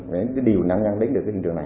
để cái điều nạn nhân đến được cái hiện trường này